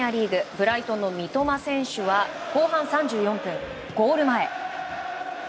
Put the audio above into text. ブライトンの三笘選手は後半３４分、ゴール前。